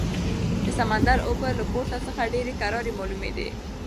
د سمندر اوبه له پورته څخه ډېرې کرارې معلومېدې.